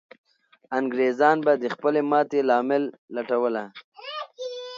انګریزان به د خپلې ماتې لامل لټوله.